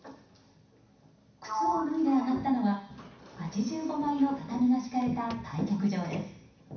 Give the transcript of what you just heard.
靴を脱いで上がったのは８５枚の畳が敷かれた対局場です。